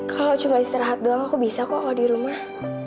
kalau cuma istirahat doang aku bisa kok kalau di rumah